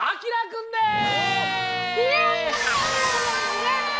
イエイ！